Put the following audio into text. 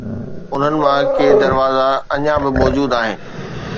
انهن مان ڪي دروازا اڃا به موجود آهن